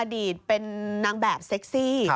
อดีตเป็นนางแบบเซ็กซี่